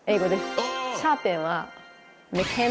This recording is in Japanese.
シャーペンは。